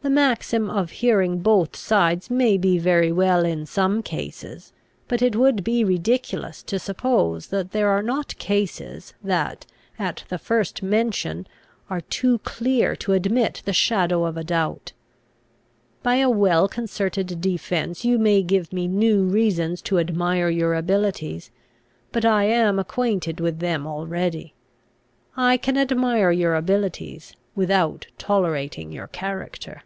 "The maxim of hearing both sides may be very well in some cases; but it would be ridiculous to suppose that there are not cases, that, at the first mention, are too clear to admit the shadow of a doubt. By a well concerted defence you may give me new reasons to admire your abilities; but I am acquainted with them already. I can admire your abilities, without tolerating your character."